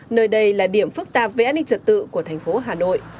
nơi đây là điểm phức tạp về an ninh trật tự của thành phố hà nội